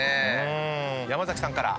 山崎さんから。